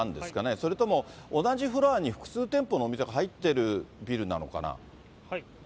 それとも同じフロアに複数店舗のお店が入ってるビルなのかな？